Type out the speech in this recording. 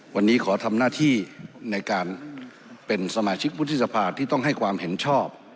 วันนี้ขอทำหน้าที่ในการเป็นสมาชิกวุฒิสภาที่ต้องให้ความเห็นชอบ